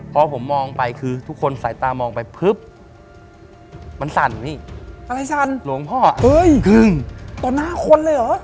พอผมมองไปคือทุกคนสายตามองไปปุ๊บมันสั่นนี่อะไรสั่นหลวงพ่อเอ้ยต่อหน้าคนเลยเหรอ